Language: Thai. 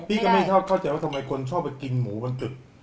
พี่ก็ไม่เข้าใจว่าทำไมคนชอบไปกินหมูบนตึก